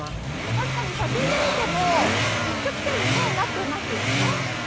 確かに写真で見ても、一直線になっていますよね。